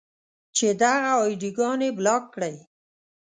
چې دغه اې ډي ګانې بلاک کړئ.